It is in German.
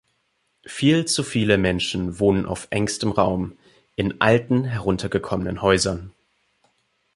Viel zu viele Menschen wohnen auf engstem Raum, in alten heruntergekommenen Häusern.